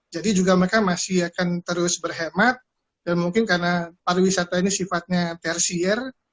jadi juga mereka masih akan terus berhemat dan mungkin karena pariwisata ini sifatnya tertiar